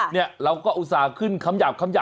เราก็อุตส่าห์ขึ้นคำหยาบเอาไว้